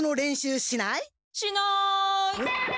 しない！え？